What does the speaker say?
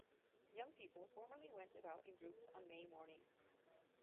Young people formerly went about in groups on May morning.